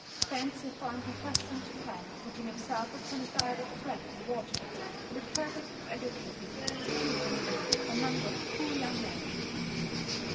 (Fancy a foreign professor in Japan putting himself upon a diet of bread and water for the purpose of educating gratuitously a number of poor young men!)